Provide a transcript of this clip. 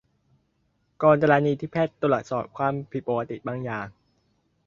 กรณีที่แพทย์ตรวจพบความผิดปกติบางอย่าง